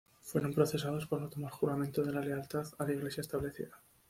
Fueron procesados por no tomar juramento de la lealtad a la Iglesia establecida.